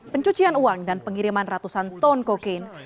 pencucian uang dan pengiriman ratusan ton kokain